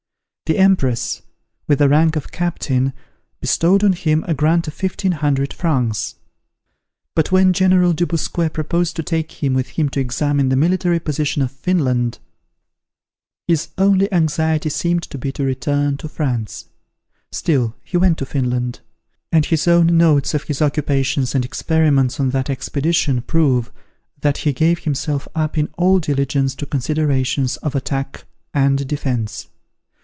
The Empress, with the rank of captain, bestowed on him a grant of fifteen hundred francs; but when General Dubosquet proposed to take him with him to examine the military position of Finland, his only anxiety seemed to be to return to France: still he went to Finland; and his own notes of his occupations and experiments on that expedition prove, that he gave himself up in all diligence to considerations of attack and defence.